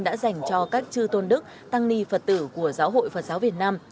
đã dành cho các chư tôn đức tăng ni phật tử của giáo hội phật giáo việt nam